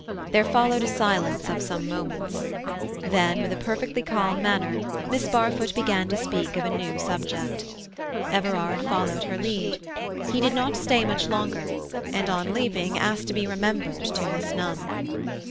There followed a silence of some moments. Then, with a perfectly calm manner, Miss Barfoot began to speak of a new subject. Everard followed her lead. He did not stay much longer, and on leaving asked to be remembered to Miss Nunn.